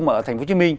mà ở tp hcm